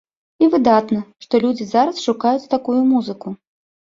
І выдатна, што людзі зараз шукаюць такую музыку.